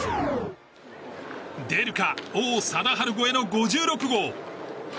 出るか、王貞治超えの５６号。